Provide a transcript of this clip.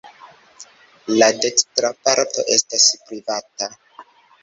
La dekstra parto estas privata.